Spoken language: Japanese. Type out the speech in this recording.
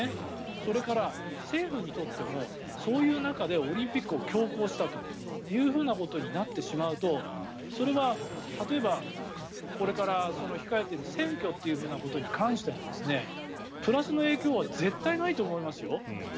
それから政府にとってもそういう中でオリンピックを強行したということになってしまうとそれは例えばこれから控えている選挙ということに関してもプラスの影響は絶対ないと思いますよ。